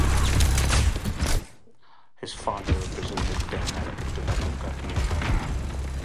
His father represented the American Tobacco Company in London.